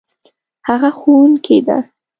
هغه ښوونکې ده